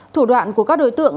thủ đoạn của các đối tượng